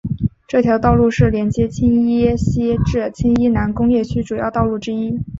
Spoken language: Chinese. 这条道路是连接青衣西至青衣南工业区主要道路之一。